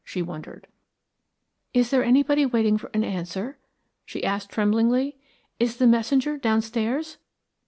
she wondered. "Is there anybody waiting for an answer?" she asked tremblingly. "Is the messenger downstairs?"